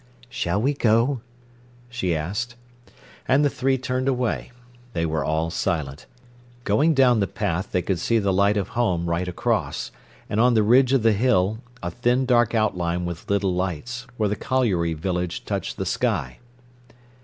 "Shall we go?" she asked. And the three turned away. They were all silent. Going down the path they could see the light of home right across, and on the ridge of the hill a thin dark outline with little lights, where the colliery village touched the sky.